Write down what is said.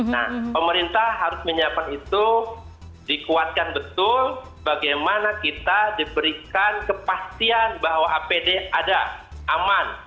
nah pemerintah harus menyiapkan itu dikuatkan betul bagaimana kita diberikan kepastian bahwa apd ada aman